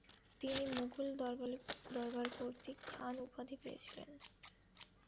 তিনি মুঘল দরবার কর্তৃক খান উপাধি পেয়েছিলেন।